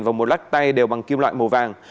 và một lắc tay đều bằng kim loại màu vàng